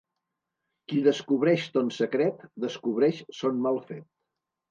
Qui descobreix ton secret, descobreix son mal fet.